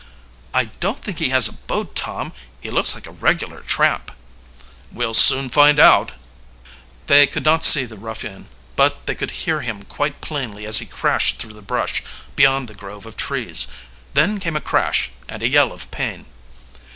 "I don't think he has a boat, Tom. He looks like a regular tramp." "We'll soon find out." They could not see the ruffian, but they could hear him quite plainly as he crashed through the brush beyond the grove of trees. Then came a crash and a yell of pain.